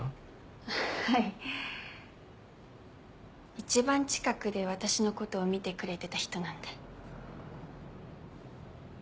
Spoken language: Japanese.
一番近くで私のことを見てくれてた人なんで。